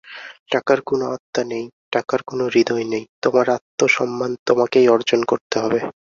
টাকার কোনো আত্মা নেই টাকার কোনো হৃদয় নেই তোমার আত্মসম্মান তোমাকেই অর্জন করতে হবে।